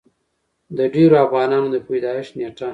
د ډېرو افغانانو د پېدايښت نيټه